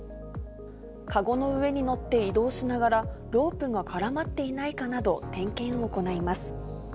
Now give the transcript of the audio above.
かごの上に乗って移動しながら、ロープが絡まっていないかなど、点検を行います。